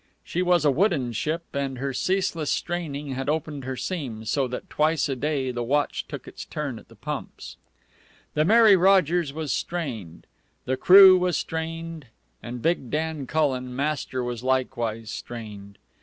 She was a wooden ship, and her ceaseless straining had opened her seams, so that twice a day the watch took its turn at the pumps. The Mary Rogers was strained, the crew was strained, and big Dan Cullen, master, was likewise strained.